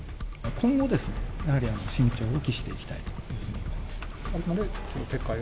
今後、やはり慎重を期していきたいというふうに。